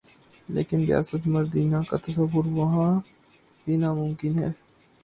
لیکن ریاست مدینہ کا تصور وہاں بھی ناممکن ہے۔